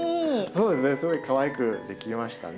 そうですねすごいかわいく出来ましたね。